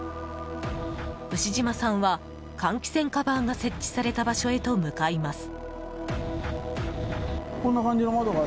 牛島さんは、換気扇カバーが設置された場所へと向かいます。